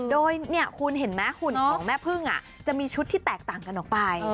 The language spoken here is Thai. โดยคุณเห็นไหมหุ่นของแม่พึ่งจะมีชุดที่แตกต่างกันออกไป